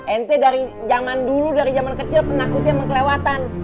ente dari jaman dulu dari jaman kecil pernah kutih sama kelewatan